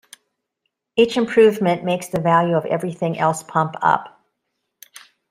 Each improvement makes the value of everything else pump up.